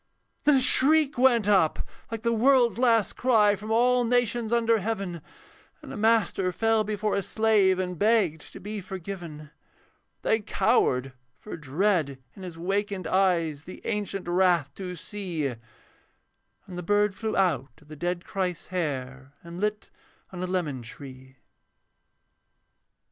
Then a shriek went up like the world's last cry From all nations under heaven, And a master fell before a slave And begged to be forgiven. They cowered, for dread in his wakened eyes The ancient wrath to see; And the bird flew out of the dead Christ's hair, And lit on a lemon tree.